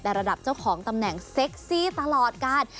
แต่ระดับเจ้าของตำแหน่งเซ็กซี่ตลอดการ